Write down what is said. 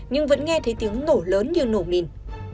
nhưng vẫn nghe thấy tiếng nổ lớn như nổ mìn